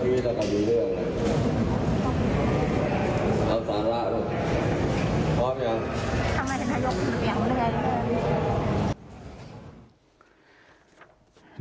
ทำงานท่านนายกถึงแผงว่าได้ยังไง